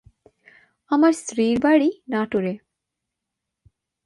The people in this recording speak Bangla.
আমার স্ত্রীর বাড়ি নাটোরে।